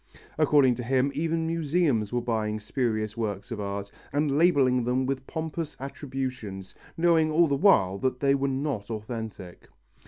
According to him, even museums were buying spurious works of art, and labelling them with pompous attributions, knowing all the while that they were not authentic.